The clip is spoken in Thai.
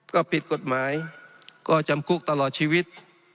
ก็ผิดกฎหมายก็จำคุกตลอดชีวิต